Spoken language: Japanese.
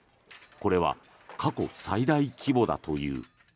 これは過去最大規模だという。